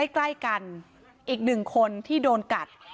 ใกล้กันอีกหนึ่งคนที่โดนกัด